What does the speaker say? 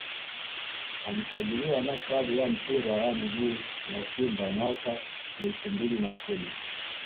Alisajiliwa na klabu ya mpira wa miguu ya Simba mwaka elfu mbili na kumi